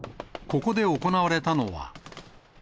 ここで行われたのは。